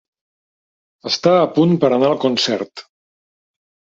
Està a punt per anar al concert.